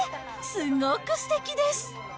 すごくすてきです。